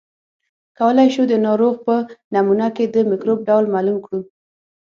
کولای شو د ناروغ په نمونه کې د مکروب ډول معلوم کړو.